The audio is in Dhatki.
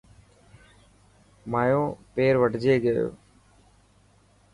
مايو پير وڍجي گيو.